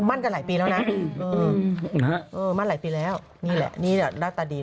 กันหลายปีแล้วนะเออมั่นหลายปีแล้วนี่แหละนี่แหละหน้าตาดี